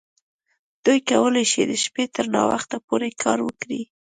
دوی کولی شي د شپې تر ناوخته پورې کار وکړي